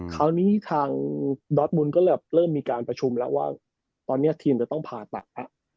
คราวนี้ทางดอสมุนก็เลยเริ่มมีการประชุมแล้วว่าตอนนี้ทีมจะต้องผ่าตัดแล้ว